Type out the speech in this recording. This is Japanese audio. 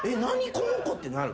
この子ってなる。